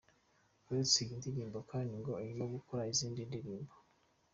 Uretse iyi ndirimbo kandi ngo arimo gukora izindi ndirimbo.